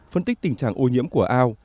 phân tích tình trạng ô nhiễm của ao